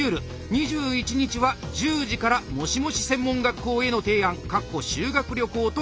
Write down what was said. ２１日は１０時から「もしもし専門学校への提案」と書かれてあります。